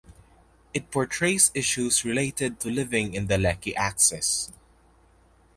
It portrays issues related to living in the Lekki axis.